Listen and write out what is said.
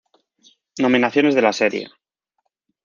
Nominaciones de la Serie.